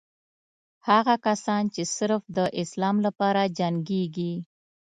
هغه کسان چې صرف د اسلام لپاره جنګېږي.